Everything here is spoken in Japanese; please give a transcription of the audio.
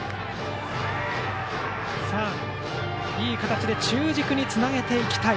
さあ、いい形で中軸につなげていきたい。